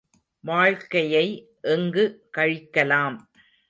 வாழ்க்கையை எங்கு கழிக்கலாம்!